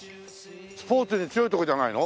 スポーツに強いとこじゃないの？